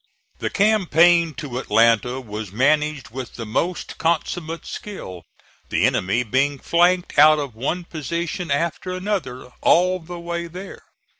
The campaign to Atlanta was managed with the most consummate skill, the enemy being flanked out of one position after another all the way there.